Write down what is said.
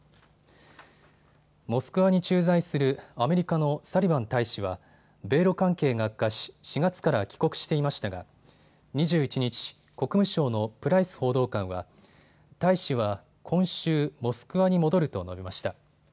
モスクワに駐在するアメリカのサリバン大使は米ロ関係が悪化し、４月から帰国していましたが２１日、国務省のプライス報道官は大使は今週、モスクワに戻ると述べました。